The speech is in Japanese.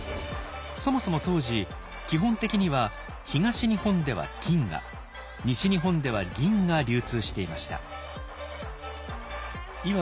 そもそも当時基本的には東日本では金が西日本では銀が流通していました。